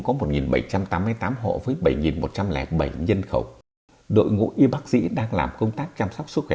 có một bảy trăm tám mươi tám hộ với bảy một trăm linh bảy nhân khẩu đội ngũ y bác sĩ đang làm công tác chăm sóc sức khỏe